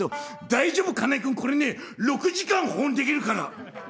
「大丈夫金井君これね６時間保温できるから」。